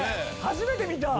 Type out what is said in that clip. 初めて見た！